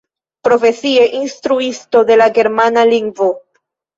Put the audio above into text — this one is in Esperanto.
Profesie instruisto de la germana lingvo.